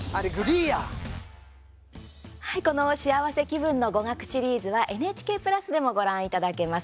「しあわせ気分のゴガク」シリーズはＮＨＫプラスでもご覧いただけます。